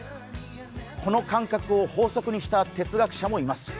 この感覚を法則にした哲学者もいます。